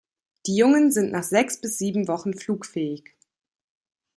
Die Jungen sind nach sechs bis sieben Wochen flugfähig.